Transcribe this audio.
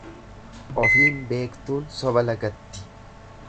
Ofiin beektuun soba lagatti.